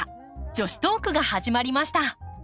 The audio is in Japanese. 女子トークが始まりました。